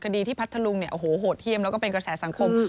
คดีที่พัฒน์ทะลุงโหดเฮียมแล้วก็เป็นกระแสสังคม